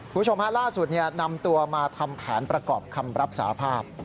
คุณผู้ชมฮะล่าสุดนำตัวมาทำแผนประกอบคำรับสาภาพ